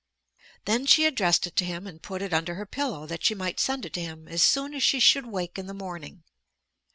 Then she addressed it to him and put it under her pillow that she might send it to him as soon as she should wake in the morning.